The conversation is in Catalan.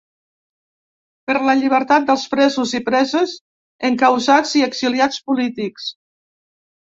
Per la llibertat dels presos i preses, encausats i exiliats polítics.